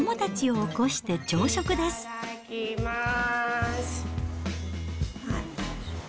いただきます。